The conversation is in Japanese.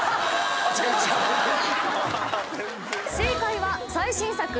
正解は最新作。